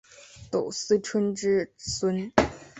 斛斯椿之孙。